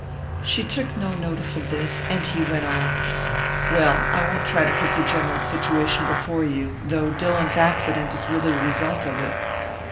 She took no notice of this, and he went on: "Well, I won't try to put the general situation before you, though Dillon's accident is really the result of it.